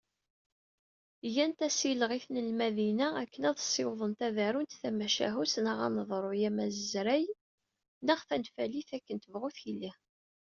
Gant asileɣ i tnelmadin-a akken ad ssiwḍent ad d-arunt tamacahut neɣ aneḍruy amazray neɣ tanfalit akken tebɣu tili.